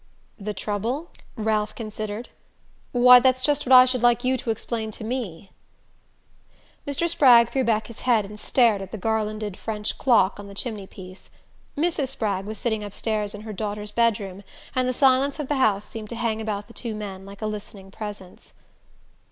"The trouble?" Ralph considered. "Why, that's just what I should like you to explain to me." Mr. Spragg threw back his head and stared at the garlanded French clock on the chimney piece. Mrs. Spragg was sitting upstairs in her daughter's bedroom, and the silence of the house seemed to hang about the two men like a listening presence.